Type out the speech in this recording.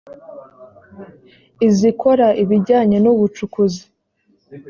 izikora ibijyanye n ubucukuzi